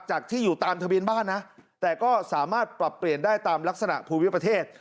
ที่อยู่ตามทะเบียนบ้านนะแต่ก็สามารถปรับเปลี่ยนได้ตามลักษณะภูมิประเทศ